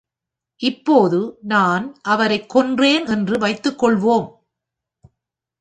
இப்போது, நான் அவரைக் கொன்றேன் என்று வைத்துக்கொள்வோம்.